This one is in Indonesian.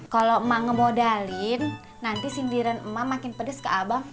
kalau emak ngemodalin nanti sindiran emak makin pedes ke abang